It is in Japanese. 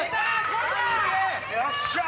よっしゃー。